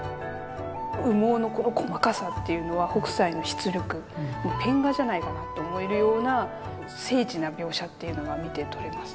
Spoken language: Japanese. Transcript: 羽毛のこの細かさっていうのは北斎の出力ペン画じゃないかなと思えるような精緻な描写っていうのが見てとれますね。